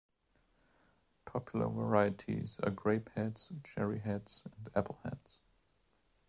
Popular varieties are Grapeheads, Cherryheads and Appleheads.